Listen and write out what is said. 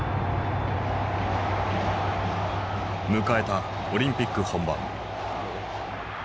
迎えたオリンピック本番。